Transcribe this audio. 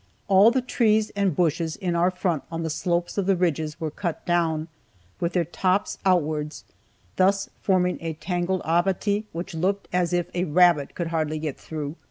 All the trees and bushes in our front on the slopes of the ridges were cut down, with their tops outwards, thus forming a tangled abattis which looked as if a rabbit could hardly get through.